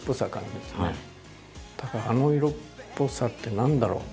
あの色っぽさって何だろう？